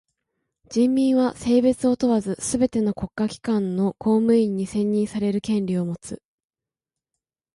人民は性別を問わずすべての国家機関の公務員に選任される権利をもつ。